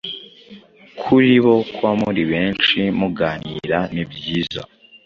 kuri bo kuba muri benshi muganira ni byiza